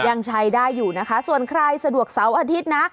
ยังใช้ได้อยู่นะคะส่วนใครสะดวกเสาร์อาทิตย์นะ